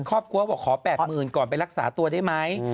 ครอบครัวบอกขอแปดหมื่นก่อนไปรักษาตัวได้มั้ย